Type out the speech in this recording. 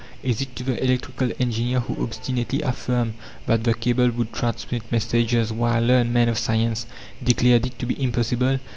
Is it to the electrical engineer who obstinately affirmed that the cable would transmit messages while learned men of science declared it to be impossible?